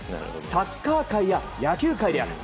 サッカー界や野球界である！